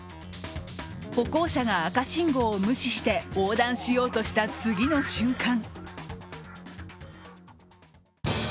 歩行者が赤信号を無視して横断しようとした次の瞬間